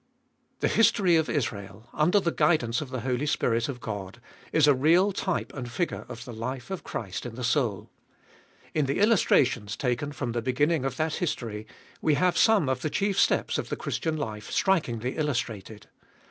The history of Israel, under the guidance of the Holy Spirit of God, is a real type and figure of the life of Christ in the soul. In the illustrations taken from the beginning of that history, we have some of the chief steps of the Christian life strikingly illustrated.